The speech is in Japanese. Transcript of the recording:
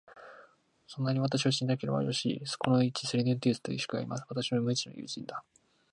そんなに私を信じられないならば、よろしい、この市にセリヌンティウスという石工がいます。私の無二の友人だ。